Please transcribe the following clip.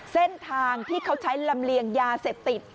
เส้นทางที่เขาใช้ลำเลียงยาเสพติด